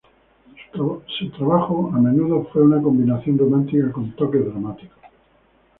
Su trabajo a menudo fue una combinación romántica con toques dramáticos.